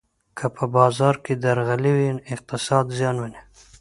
که په بازار کې درغلي وي، اقتصاد زیان ویني.